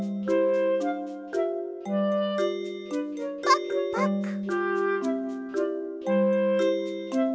パクパク。